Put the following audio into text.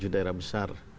tujuh daerah besar